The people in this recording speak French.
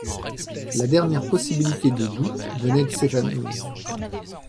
La dernière possibilité de doute venait de s’évanouir.